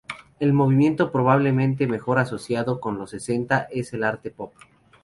El movimiento probablemente mejor asociado con los sesenta es el arte pop.